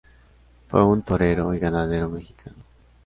Fue un torero y ganadero mexicano.